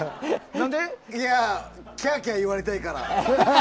キャーキャー言われたいから。